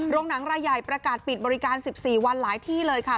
หนังรายใหญ่ประกาศปิดบริการ๑๔วันหลายที่เลยค่ะ